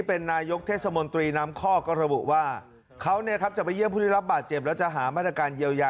เบื้องต้นเราช่วยไปพระอาจารย์ให้ไป๒๐๐๐บาท